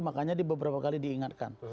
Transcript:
makanya di beberapa kali diingatkan